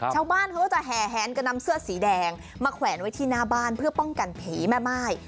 ชาวบ้านเขาก็จะแห่แหนกันนำเสื้อสีแดงมาแขวนไว้ที่หน้าบ้านเพื่อป้องกันผีแม่ม่าย